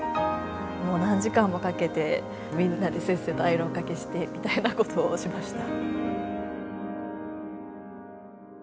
もう何時間もかけてみんなでせっせとアイロンがけしてみたいなことをしました。